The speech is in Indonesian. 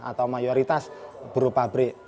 atau mayoritas berupa bre